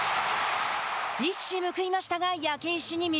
一矢報いましたが焼け石に水。